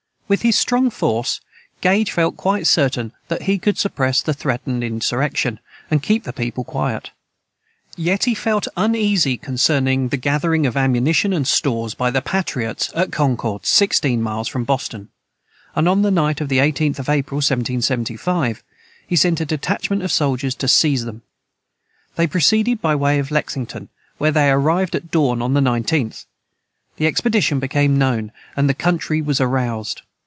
With his strong force, Gage felt quite certain that he could suppress the threatened insurrection, and keep the people quiet. Yet he felt uneasy concerning the gathering of ammunition and stores by the patriots at Concord, sixteen miles from Boston; and on the night of the 18th of April, 1775, he sent a detachment of soldiers to seize them. They proceeded by the way of Lexington, where they arrived at dawn of the 19th. The expedition became known, and the country was aroused.